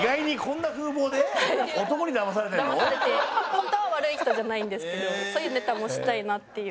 ホントは悪い人じゃないんですけどそういうネタもしたいなっていう。